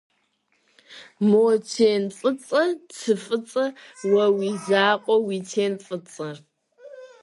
Мо тен фӏыцӏэ цы фӏыцӏэр уэ уи закъуэ уи тен фӏыцӏэ?